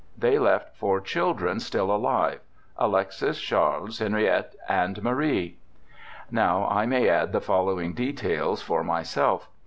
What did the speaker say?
They left four children, still alive Alexis, Charles, Henriette, and Marie. 'Now I may add the following details for myself.